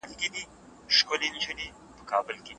تاسو کوم ډول کمپیوټري پروګرامونه په ډېره اسانۍ سره زده کولای شئ؟